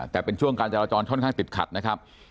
แต่เป็นช่วงการจราจรค่อนข้างติดขัดนะครับ